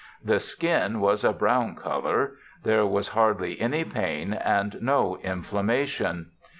The skin was a brown (?) colour. There was hardly any pain, and no inflammation.